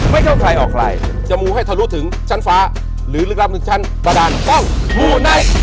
ไม่เข้าใครออกใครจะมูให้ทะลุถึงชั้นฟ้าหรือลึกลับถึงชั้นบาดานต้องมูไนท์